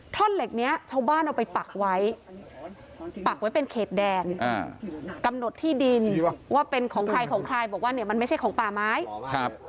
ท่อนเหล็กเนี้ยชาวบ้านเอาไปปักไว้ปักไว้เป็นเขตแดนอ่ากำหนดที่ดินว่าเป็นของใครของใครบอกว่าเนี่ยมันไม่ใช่ของป่าไม้ครับ